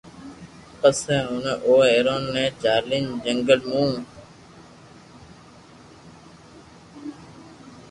پسي اوڻي او ھيرن ني جالين جنگل مون